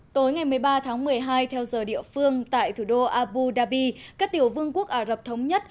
tối ngày một mươi ba tháng một mươi hai theo giờ địa phương tại thủ đô abu dhabi các tiểu vương quốc ả rập thống nhất